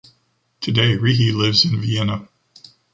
Today, Rehe lives in Vienna.